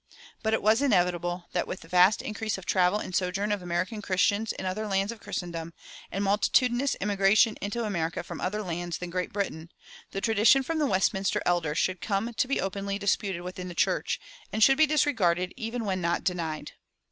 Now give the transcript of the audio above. But it was inevitable that with the vast increase of the travel and sojourn of American Christians in other lands of Christendom, and the multitudinous immigration into America from other lands than Great Britain, the tradition from the Westminster elders should come to be openly disputed within the church, and should be disregarded even when not denied.